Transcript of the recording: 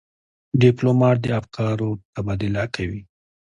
ډيپلومات د افکارو تبادله کوي.